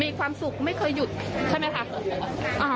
มีความสุขไม่เคยหยุดใช่ไหมคะ